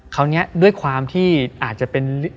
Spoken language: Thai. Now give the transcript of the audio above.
คราวนี้ด้วยความที่อาจจะเป็น